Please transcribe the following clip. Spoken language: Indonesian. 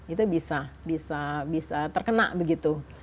itu bisa bisa bisa terkena begitu